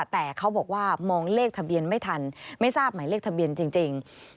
แต่เขาบอกว่ามองเลขทะเบียนไม่ทันไม่ทราบหมายเลขทะเบียนจริง